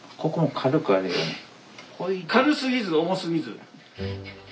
軽すぎず重すぎず。